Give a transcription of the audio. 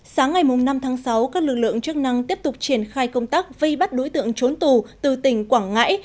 sáng ngày năm tháng sáu các lực lượng chức năng tiếp tục triển khai công tác vây bắt đối tượng trốn tù từ tỉnh quảng ngãi